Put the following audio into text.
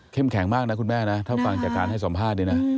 เข้มแข็งมากนะคุณแม่นะถ้าฟังจากการให้สอบภาษณ์ดีนะ